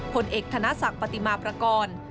ผลเอกธนศักดิ์ปฏิมาประกอบ